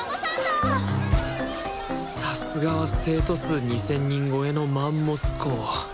さすがは生徒数２，０００人超えのマンモス校。